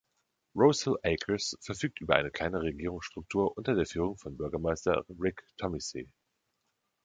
Rose Hill Acres verfügt über eine kleine Regierungsstruktur unter der Führung von Bürgermeister Rick Thomisee.